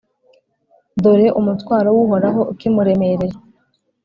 dore umutwaro w’Uhoraho ukimuremereye;